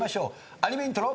アニメイントロ。